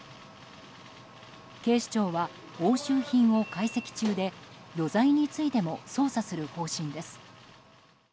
警視庁は押収品を解析中で余罪についても捜査する方針です。